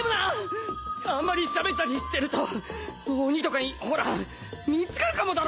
あんまりしゃべったりしてると瓦箸ほら見つかるかもだろ？